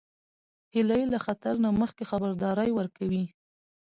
هیلۍ له خطر نه مخکې خبرداری ورکوي